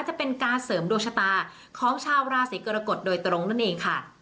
จะเป็นการเสริมดวงชะตาของชาวราศีกรกฎโดยตรงนั่นเองค่ะ